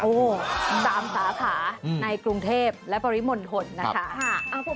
๓สาธารณะค่ะในกรุงเทพและปริมณฑลนะคะ